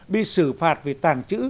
bị xử phạt vì tàn chữ